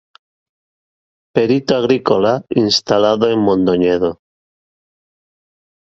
Perito agrícola instalado en Mondoñedo.